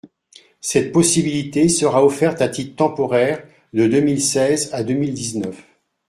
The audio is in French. Cette possibilité sera offerte à titre temporaire de deux mille seize à deux mille dix-neuf.